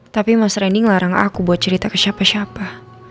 tapi mas randy ngelarang aku buat cerita ke siapa siapa